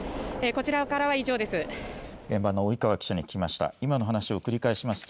こちらからは以上です。